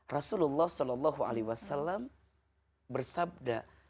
rasulullah saw bersabda